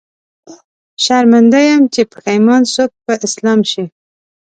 شرمنده يم، چې پښېمان څوک په اسلام شي